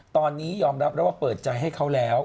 ตอนนี้ยอมรับแล้วว่าเปิดใจให้เขาแล้ว